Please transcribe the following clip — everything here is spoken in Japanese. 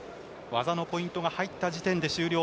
技のポイントが入った時点で終了。